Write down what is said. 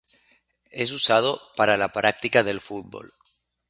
Es usado para la práctica del fútbol.